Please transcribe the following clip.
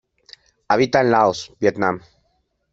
Habita en Laos, Vietnam.